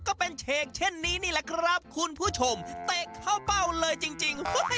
ก็เป็นเฉกเช่นนี้นี่แหละครับคุณผู้ชมเตะเข้าเป้าเลยจริง